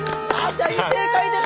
大正解です